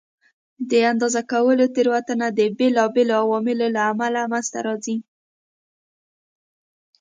د اندازه کولو تېروتنه د بېلابېلو عواملو له امله منځته راځي.